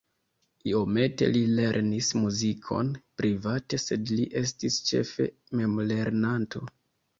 Iomete li lernis muzikon private, sed li estis ĉefe memlernanto.